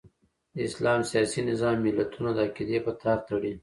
د اسلام سیاسي نظام ملتونه د عقیدې په تار تړي.